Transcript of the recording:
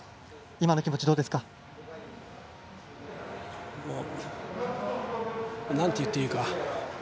今の気持ち、どうですか？なんて言っていいか。